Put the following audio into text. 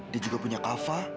dia juga punya kava